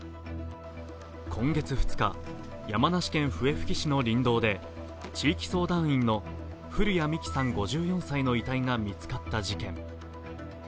今月２日、山梨県笛吹市の林道で地域相談員の古屋美紀さん５４歳の遺体が見つかった事件。